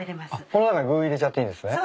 あっこの中に具入れちゃっていいんですね？